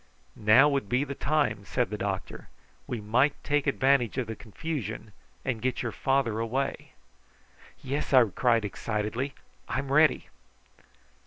"Now would be the time," said the doctor. "We might take advantage of the confusion and get your father away." "Yes!" I cried excitedly. "I'm ready!"